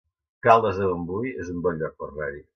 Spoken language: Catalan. Caldes de Montbui es un bon lloc per anar-hi